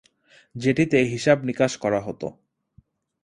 যেটিতে হিসাব-নিকাশ করা হত।